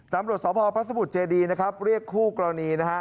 ตำรวจสพพระสมุทรเจดีนะครับเรียกคู่กรณีนะฮะ